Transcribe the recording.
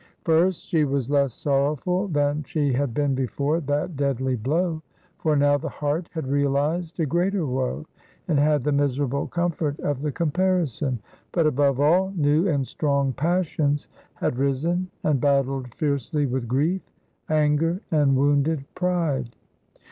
First she was less sorrowful than she had been before that deadly blow, for now the heart had realized a greater woe, and had the miserable comfort of the comparison; but, above all, new and strong passions had risen and battled fiercely with grief anger and wounded pride.